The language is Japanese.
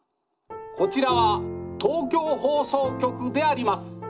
こちらは東京放送局であります。